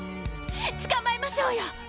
捕まえましょうよ！